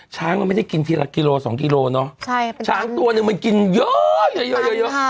ช้างมันไม่ได้กินทีละกิโลสองกิโลเนอะใช่ครับช้างตัวหนึ่งมันกินเยอะเยอะ